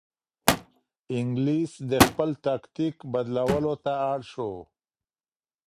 انګلیس د خپل تاکتیک بدلولو ته اړ شو.